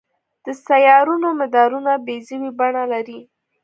د سیارونو مدارونه بیضوي بڼه لري.